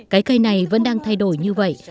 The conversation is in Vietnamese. cái cây này vẫn đang thay đổi như thế này